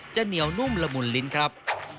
จะเหนียวนุ่มละมุนลิ้นครับ